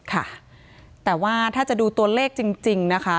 ค่ะแต่ว่าถ้าจะดูตัวเลขจริงนะคะ